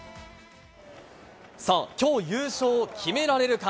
さあ、きょう優勝を決められるか。